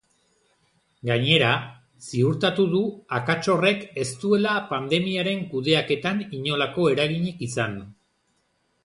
Gainera, ziurtatu du akats horrek ez duela pandemiaren kudeaketan inolako eraginik izan.